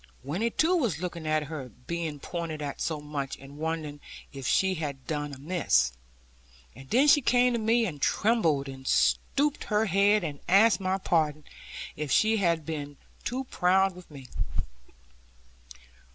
Winnie too was looking at her, being pointed at so much, and wondering if she had done amiss. And then she came to me, and trembled, and stooped her head, and asked my pardon, if she had been too proud with me.